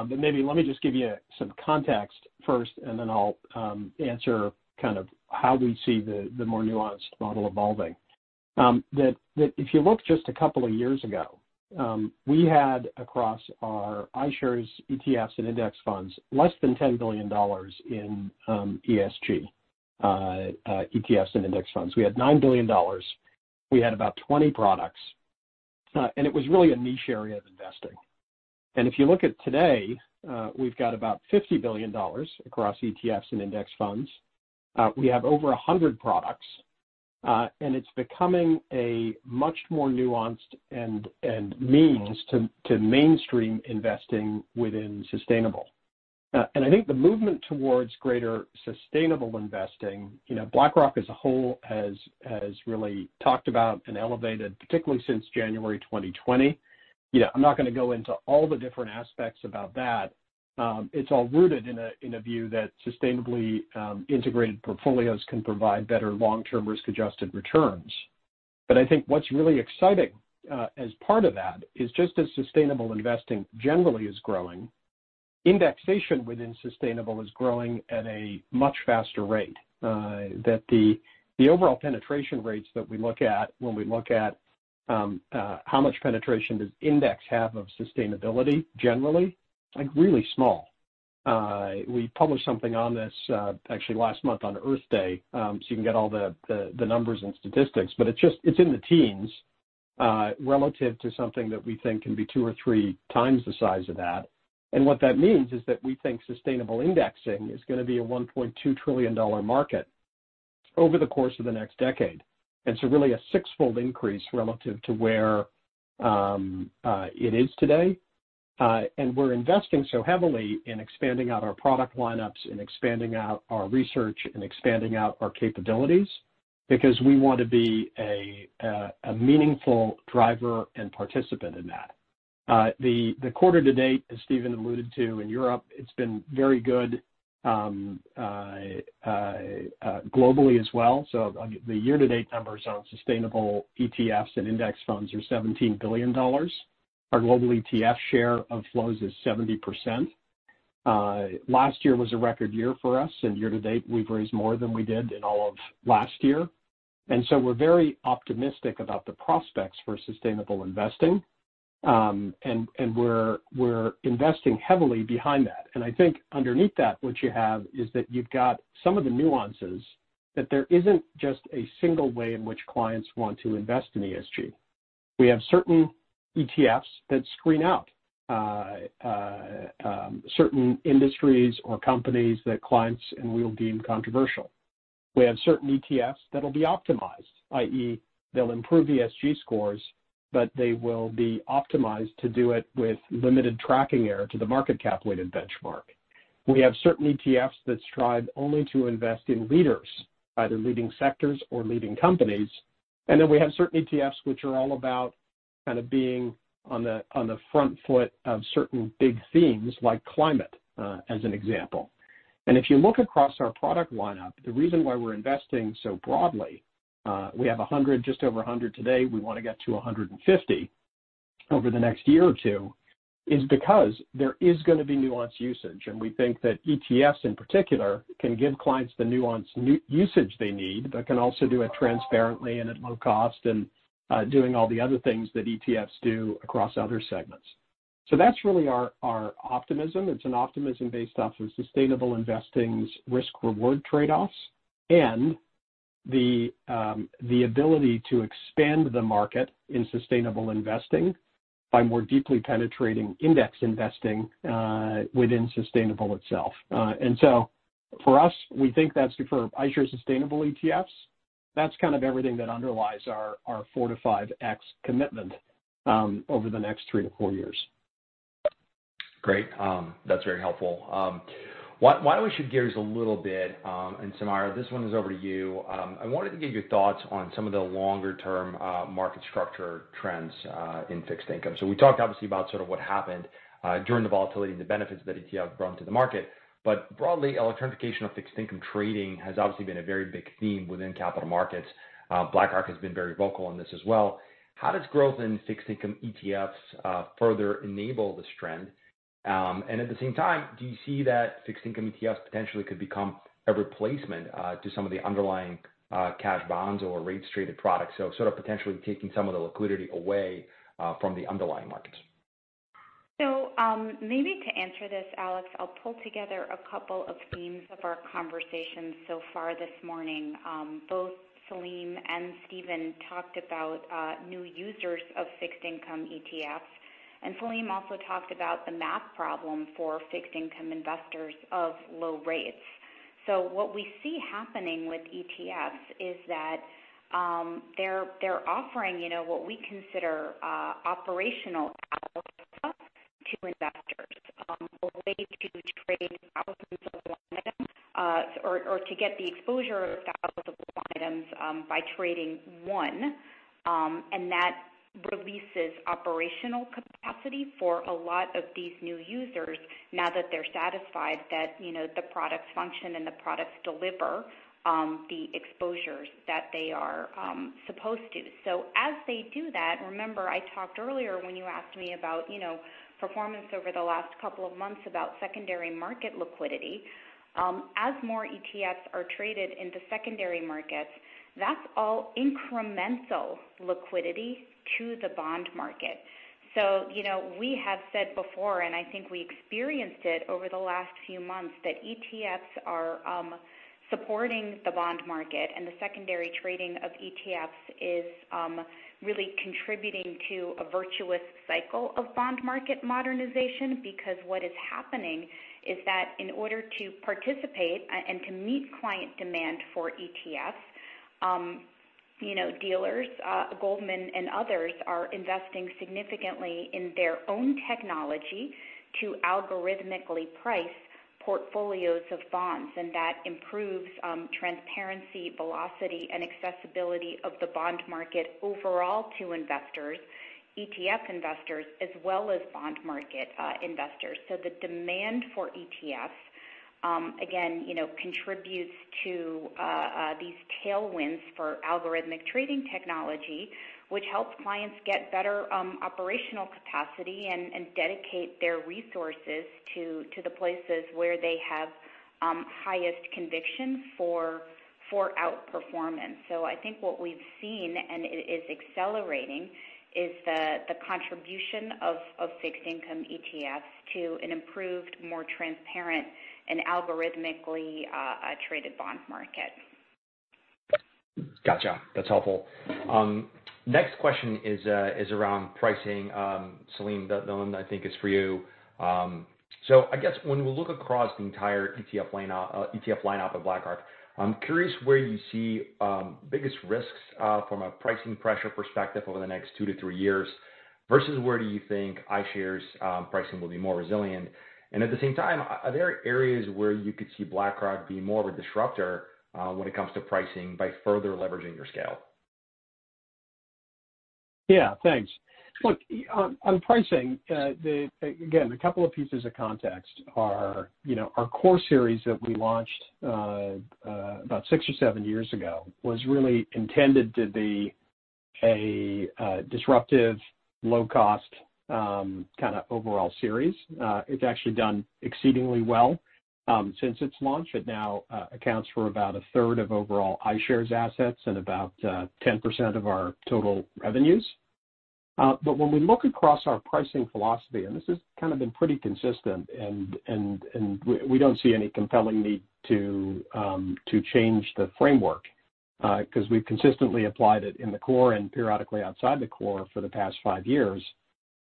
Maybe let me just give you some context first, and then I'll answer kind of how we see the more nuanced model evolving. If you look just a couple of years ago, we had, across our iShares ETFs and index funds, less than $10 billion in ESGU, ETFs and index funds. We had $9 billion. We had about 20 products. It was really a niche area of investing. If you look at today, we've got about $50 billion across ETFs and index funds. We have over 100 products. It's becoming a much more nuanced and means to mainstream investing within sustainable. I think the movement towards greater sustainable investing, BlackRock as a whole has really talked about and elevated, particularly since January 2020. I'm not going to go into all the different aspects about that. It's all rooted in a view that sustainably integrated portfolios can provide better long-term risk-adjusted returns. I think what's really exciting as part of that is just as sustainable investing generally is growing, indexation within sustainable is growing at a much faster rate. The overall penetration rates that we look at when we look at how much penetration does index have of sustainability generally, like really small. We published something on this actually last month on Earth Day, so you can get all the numbers and statistics, but it's in the teens relative to something that we think can be two or three times the size of that. What that means is that we think sustainable indexing is going to be a $1.2 trillion market over the course of the next decade. Really a sixfold increase relative to where it is today. We're investing so heavily in expanding out our product lineups and expanding out our research and expanding out our capabilities because we want to be a meaningful driver and participant in that. The quarter to date, as Stephen alluded to, in Europe, it's been very good. Globally as well. The year-to-date numbers on sustainable ETFs and index funds are $17 billion. Our global ETF share of flows is 70%. Last year was a record year for us, and year-to-date, we've raised more than we did in all of last year. We're very optimistic about the prospects for sustainable investing, and we're investing heavily behind that. I think underneath that, what you have is that you've got some of the nuances that there isn't just a single way in which clients want to invest in ESGU. We have certain ETFs that screen out certain industries or companies that clients and we'll deem controversial. We have certain ETFs that'll be optimized, i.e., they'll improve ESGU scores, but they will be optimized to do it with limited tracking error to the market cap weighted benchmark. We have certain ETFs that strive only to invest in leaders, either leading sectors or leading companies. We have certain ETFs which are all about kind of being on the front foot of certain big themes, like climate, as an example. If you look across our product lineup, the reason why we're investing so broadly, we have just over 100 today, we want to get to 150 over the next year or two, is because there is going to be nuanced usage. We think that ETFs in particular can give clients the nuanced usage they need, but can also do it transparently and at low cost and doing all the other things that ETFs do across other segments. That's really our optimism. It's an optimism based off of sustainable investing's risk-reward trade-offs and the ability to expand the market in sustainable investing by more deeply penetrating index investing within sustainable itself. For us, we think that for iShares sustainable ETFs, that's kind of everything that underlies our 4-5x commitment over the next 3-4 years. Great. That's very helpful. Why don't we shift gears a little bit, Samara, this one is over to you. I wanted to get your thoughts on some of the longer-term market structure trends in fixed income. We talked obviously about what happened during the volatility and the benefits that ETF brought to the market. Broadly, electronification of fixed income trading has obviously been a very big theme within capital markets. BlackRock has been very vocal on this as well. How does growth in fixed income ETFs further enable this trend? At the same time, do you see that fixed income ETFs potentially could become a replacement to some of the underlying cash bonds or rates traded products, so sort of potentially taking some of the liquidity away from the underlying markets? Maybe to answer this, Alex, I'll pull together a couple of themes of our conversations so far this morning. Both Salim and Stephen talked about new users of fixed income ETFs, and Salim also talked about the math problem for fixed income investors of low rates. What we see happening with ETFs is that they're offering what we consider operational alpha to investors, a way to trade thousands of items or to get the exposure of thousands of items by trading one. That releases operational capacity for a lot of these new users now that they're satisfied that the products function and the products deliver the exposures that they are supposed to. As they do that, remember I talked earlier when you asked me about performance over the last couple of months about secondary market liquidity. As more ETFs are traded in the secondary markets, that's all incremental liquidity to the bond market. We have said before, and I think we experienced it over the last few months, that ETFs are supporting the bond market and the secondary trading of ETFs is really contributing to a virtuous cycle of bond market modernization because what is happening is that in order to participate and to meet client demand for ETFs, dealers, Goldman and others, are investing significantly in their own technology to algorithmically price portfolios of bonds. That improves transparency, velocity, and accessibility of the bond market overall to investors, ETF investors, as well as bond market investors. The demand for ETFs, again, contributes to these tailwinds for algorithmic trading technology, which helps clients get better operational capacity and dedicate their resources to the places where they have highest conviction for outperformance. I think what we've seen, and it is accelerating, is the contribution of fixed income ETFs to an improved, more transparent, and algorithmically traded bond market. Got you. That's helpful. Next question is around pricing. Salim, that one I think is for you. I guess when we look across the entire ETF lineup at BlackRock, I'm curious where you see biggest risks from a pricing pressure perspective over the next two to three years, versus where do you think iShares' pricing will be more resilient? At the same time, are there areas where you could see BlackRock be more of a disruptor when it comes to pricing by further leveraging your scale? Yeah, thanks. Look, on pricing, again, a couple of pieces of context are our core series that we launched about six or seven years ago was really intended to be a disruptive, low-cost kind of overall series. It's actually done exceedingly well since its launch. It now accounts for about a third of overall iShares assets and about 10% of our total revenues. When we look across our pricing philosophy, and this has kind of been pretty consistent and we don't see any compelling need to change the framework because we've consistently applied it in the core and periodically outside the core for the past five years,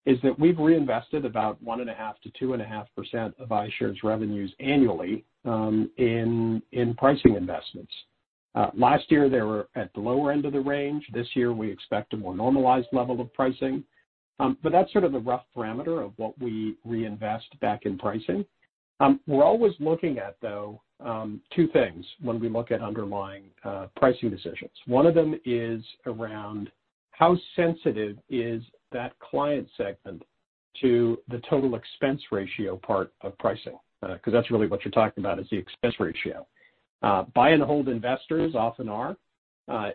is that we've reinvested about 1.5%-2.5% of iShares' revenues annually in pricing investments. Last year, they were at the lower end of the range. This year, we expect a more normalized level of pricing. That's sort of the rough parameter of what we reinvest back in pricing. We're always looking at, though, two things when we look at underlying pricing decisions. One of them is around how sensitive is that client segment to the total expense ratio part of pricing, because that's really what you're talking about is the expense ratio. Buy and hold investors often are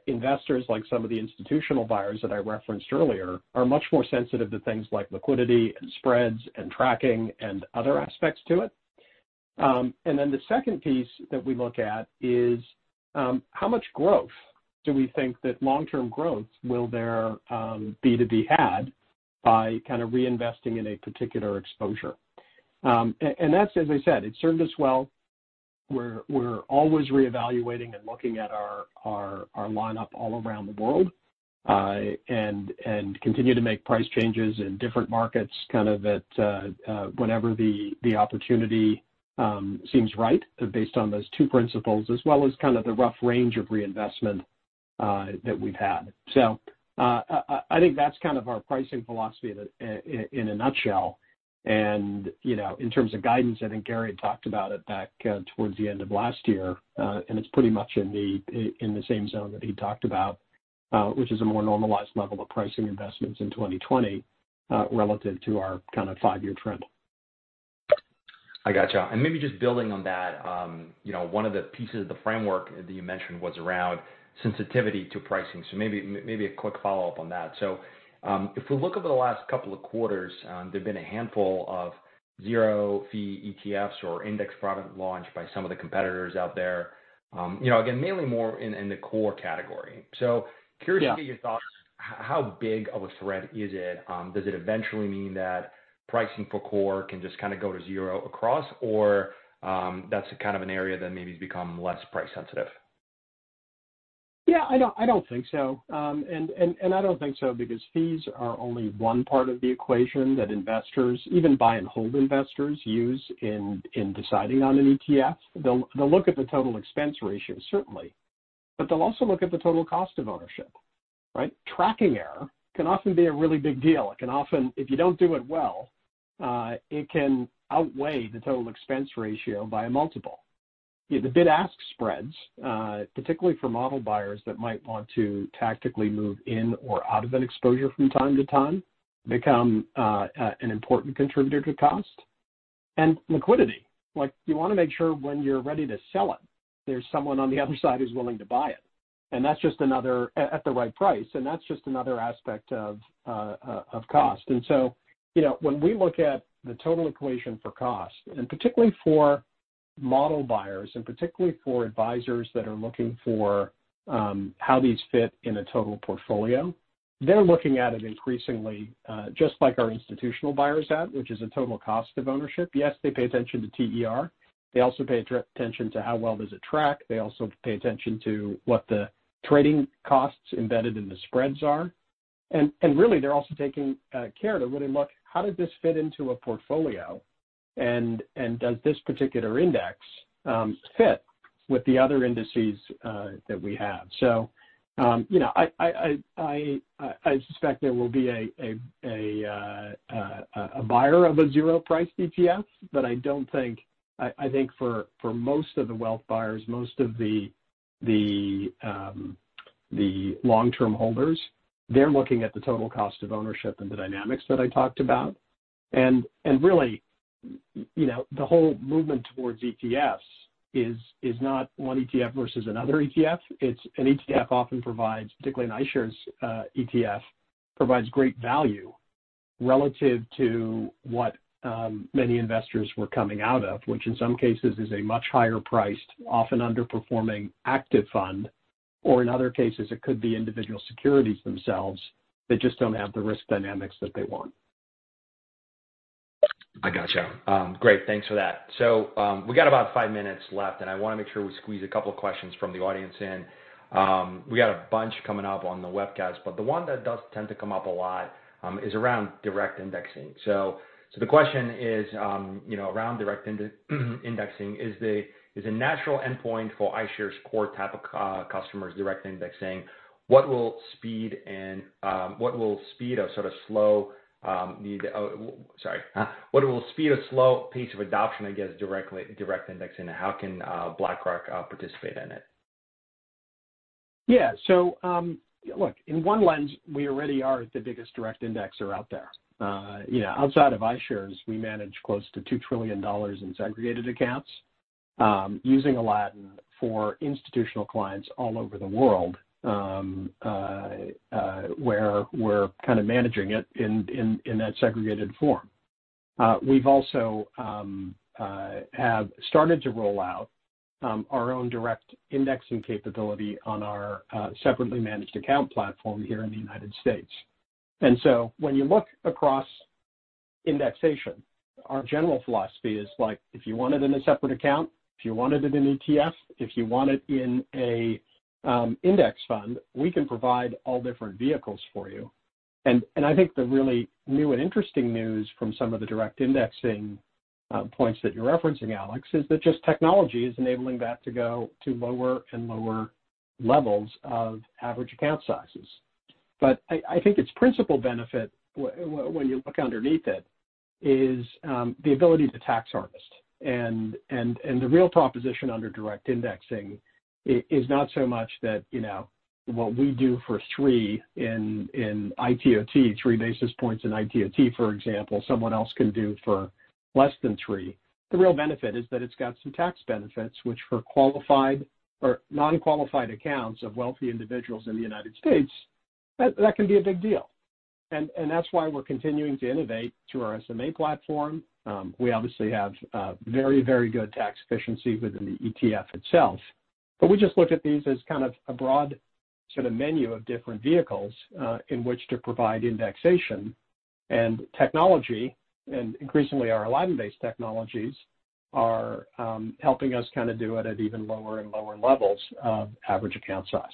investors like some of the institutional buyers that I referenced earlier, are much more sensitive to things like liquidity and spreads and tracking and other aspects to it. The second piece that we look at is, how much growth do we think that long-term growth will there be to be had by kind of reinvesting in a particular exposure? That's, as I said, it's served us well. We're always reevaluating and looking at our lineup all around the world, and continue to make price changes in different markets, kind of at whenever the opportunity seems right based on those two principles, as well as kind of the rough range of reinvestment that we've had. I think that's kind of our pricing philosophy in a nutshell. In terms of guidance, I think Gary had talked about it back towards the end of last year, and it's pretty much in the same zone that he talked about, which is a more normalized level of pricing investments in 2020 relative to our kind of five-year trend. I got you. Maybe just building on that, one of the pieces of the framework that you mentioned was around sensitivity to pricing. Maybe a quick follow-up on that. If we look over the last couple of quarters, there have been a handful of zero-fee ETFs or index products launched by some of the competitors out there. Again, mainly more in the core category. Curious- Yeah to get your thoughts, how big of a threat is it? Does it eventually mean that pricing for core can just kind of go to zero across? That's a kind of an area that maybe has become less price sensitive? Yeah, I don't think so. I don't think so because fees are only one part of the equation that investors, even buy and hold investors, use in deciding on an ETF. They'll look at the total expense ratio, certainly, but they'll also look at the total cost of ownership, right? Tracking error can often be a really big deal. It can often, if you don't do it well, it can outweigh the total expense ratio by a multiple. The bid-ask spreads, particularly for model buyers that might want to tactically move in or out of an exposure from time to time, become an important contributor to cost. Liquidity, like you want to make sure when you're ready to sell it, there's someone on the other side who's willing to buy it at the right price. That's just another aspect of cost. When we look at the total equation for cost, particularly for model buyers, and particularly for advisors that are looking for how these fit in a total portfolio, they're looking at it increasingly, just like our institutional buyers at, which is a total cost of ownership. Yes, they pay attention to TER. They also pay attention to how well does it track. They also pay attention to what the trading costs embedded in the spreads are. Really, they're also taking care to really look how does this fit into a portfolio and does this particular index fit with the other indices that we have. I suspect there will be a buyer of a zero price ETF, but I think for most of the wealth buyers, most of the long-term holders, they're looking at the total cost of ownership and the dynamics that I talked about. Really, the whole movement towards ETFs is not one ETF versus another ETF. An ETF often provides, particularly an iShares ETF, provides great value relative to what many investors were coming out of, which in some cases is a much higher priced, often underperforming active fund, or in other cases, it could be individual securities themselves that just don't have the risk dynamics that they want. I got you. Great. Thanks for that. We got about five minutes left, and I want to make sure we squeeze a couple of questions from the audience in. We got a bunch coming up on the webcast, the one that does tend to come up a lot, is around direct indexing. The question is around direct indexing, is a natural endpoint for iShares core type of customers direct indexing. What will speed a slow pace of adoption, I guess, direct indexing? How can BlackRock participate in it? Yeah. Look, in one lens, we already are the biggest direct indexer out there. Outside of iShares, we manage close to $2 trillion in segregated accounts using Aladdin for institutional clients all over the world, where we're kind of managing it in that segregated form. We also have started to roll out our own direct indexing capability on our separately managed account platform here in the U.S. When you look across indexation, our general philosophy is like, if you want it in a separate account, if you want it in an ETF, if you want it in an index fund, we can provide all different vehicles for you. I think the really new and interesting news from some of the direct indexing points that you're referencing, Alex, is that just technology is enabling that to go to lower and lower levels of average account sizes. I think its principal benefit when you look underneath it is the ability to tax harvest. The real proposition under direct indexing is not so much that what we do for three in ITOT, three basis points in ITOT, for example, someone else can do for less than three. The real benefit is that it's got some tax benefits, which for non-qualified accounts of wealthy individuals in the U.S., that can be a big deal. That's why we're continuing to innovate through our SMA platform. We obviously have very good tax efficiency within the ETF itself. We just look at these as kind of a broad sort of menu of different vehicles in which to provide indexation and technology, and increasingly our Aladdin-based technologies are helping us kind of do it at even lower and lower levels of average account size.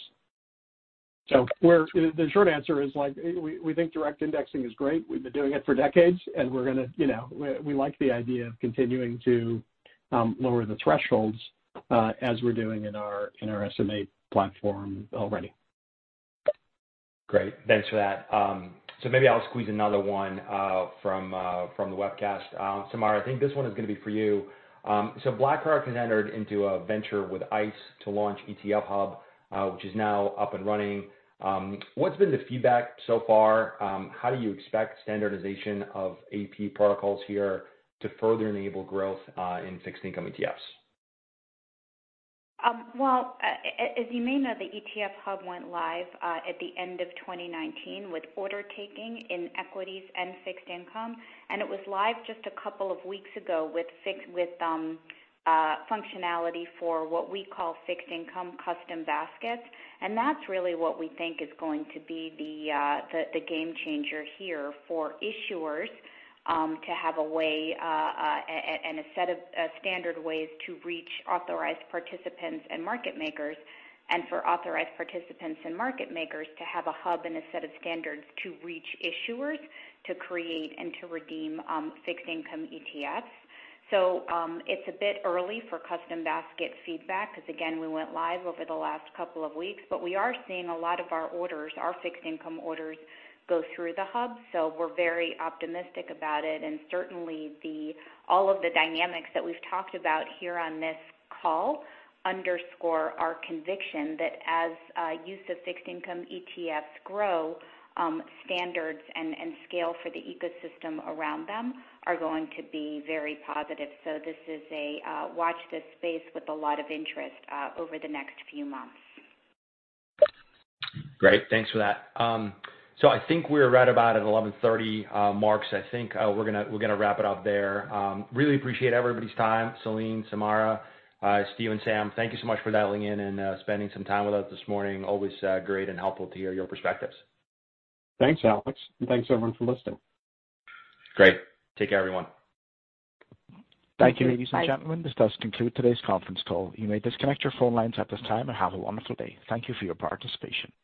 The short answer is we think direct indexing is great. We've been doing it for decades, and we like the idea of continuing to lower the thresholds as we're doing in our SMA platform already. Great. Thanks for that. Maybe I'll squeeze another one from the webcast. Samara, I think this one is going to be for you. BlackRock has entered into a venture with ICE to launch ETF Hub, which is now up and running. What's been the feedback so far? How do you expect standardization of AP protocols here to further enable growth in fixed income ETFs? Well, as you may know, the ETF Hub went live at the end of 2019 with order taking in equities and fixed income, it was live just a couple of weeks ago with functionality for what we call fixed income custom baskets. That's really what we think is going to be the game changer here for issuers to have a way and a set of standard ways to reach authorized participants and market makers, and for authorized participants and market makers to have a hub and a set of standards to reach issuers to create and to redeem fixed income ETFs. It's a bit early for custom basket feedback because, again, we went live over the last couple of weeks, we are seeing a lot of our orders, our fixed income orders, go through the hub. We're very optimistic about it, and certainly all of the dynamics that we've talked about here on this call underscore our conviction that as use of fixed income ETFs grow, standards and scale for the ecosystem around them are going to be very positive. This is a watch this space with a lot of interest over the next few months. Great. Thanks for that. I think we're right about at 11:30 mark, so I think we're going to wrap it up there. Really appreciate everybody's time. Salim, Samara, Steve, and Sam, thank you so much for dialing in and spending some time with us this morning. Always great and helpful to hear your perspectives. Thanks, Alex, and thanks, everyone, for listening. Great. Take care, everyone. Thank you, ladies and gentlemen. This does conclude today's conference call. You may disconnect your phone lines at this time, and have a wonderful day. Thank you for your participation.